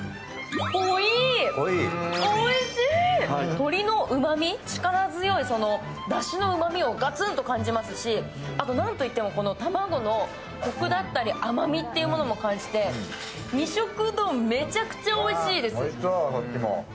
鶏のうまみ、力強いだしのうまみをガツンと感じますし、あと、卵のコクだったり甘みっていうのも感じて二色丼、めちゃくちゃおいしいです